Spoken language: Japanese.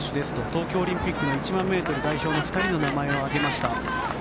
東京オリンピックの１００００ｍ代表の２人の名前を挙げました。